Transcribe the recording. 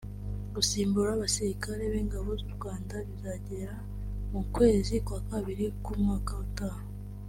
Gusimbura abasirikare b’Ingabo z’u Rwanda bizagera mu kwezi kwa Kabiri k’umwaka utaha